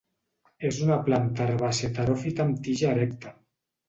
És una planta herbàcia teròfita amb tija erecta.